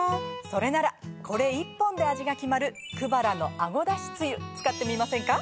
それならこれ１本で味が決まるくばらの「あごだしつゆ」使ってみませんか？